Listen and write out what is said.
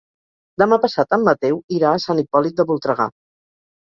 Demà passat en Mateu irà a Sant Hipòlit de Voltregà.